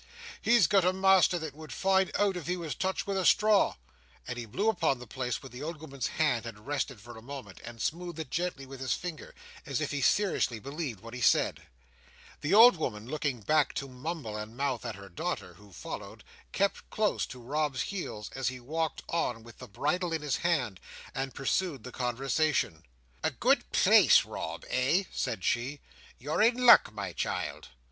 "He's got a master that would find it out if he was touched with a straw." And he blew upon the place where the old woman's hand had rested for a moment, and smoothed it gently with his finger, as if he seriously believed what he said. The old woman looking back to mumble and mouth at her daughter, who followed, kept close to Rob's heels as he walked on with the bridle in his hand; and pursued the conversation. "A good place, Rob, eh?" said she. "You're in luck, my child."